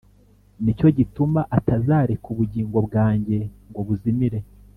Nicyo gituma atazereka ubugingo bwanjye ngo buzimire